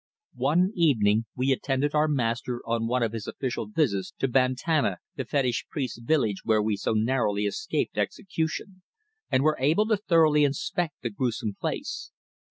One evening we attended our master on one of his official visits to Bantama, the fetish priest's village where we so narrowly escaped execution, and were able to thoroughly inspect the gruesome place.